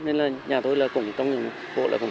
nên là nhà tôi là cũng trong những